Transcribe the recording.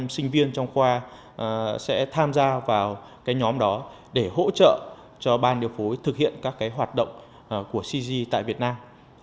sinh viên trong khoa sẽ tham gia vào nhóm đó để hỗ trợ cho ban điều phối thực hiện các hoạt động của ccg tại việt nam